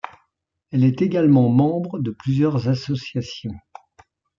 Elle est également membre de plusieurs associations.